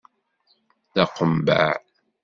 D aqumbeε.